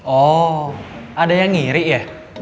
oh ada yang ngiri ya